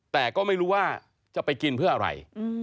แต่ก็ไม่รู้ว่าจะไปกินเพื่ออะไร